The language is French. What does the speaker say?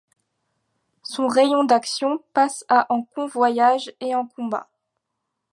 Son rayon d'action passe à en convoyage et en combat.